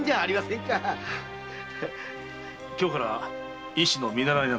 今日から医師の見習いなんだ。